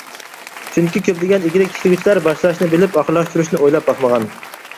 چۈنكى، كۆپلىگەن ئىگىلىك تىكلىگۈچىلەر باشلاشنى بىلىپ، ئاخىرلاشتۇرۇشنى ئويلاپ باقمىغان.